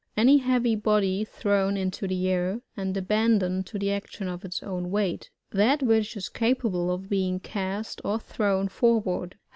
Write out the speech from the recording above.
Any heavy body thrown into the air, and abandoned to the action of its own weight. That which is capable of being cast or thrown forward.